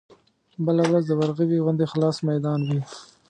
بله ورځ د ورغوي غوندې خلاص ميدان وي.